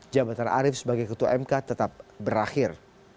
jabatan arief sebagai ketua mk tetap berakhir